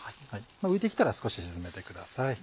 浮いてきたら少し沈めてください。